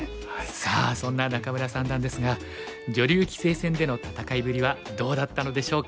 さあそんな仲邑三段ですが女流棋聖戦での戦いぶりはどうだったのでしょうか。